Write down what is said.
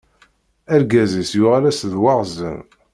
Argaz-is yuɣal-as d waɣzen.